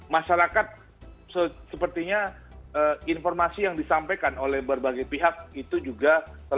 masyarakat sepertinya informasi yang disampaikan oleh berbagai pihak itu juga